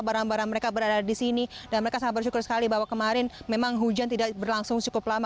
barang barang mereka berada di sini dan mereka sangat bersyukur sekali bahwa kemarin memang hujan tidak berlangsung cukup lama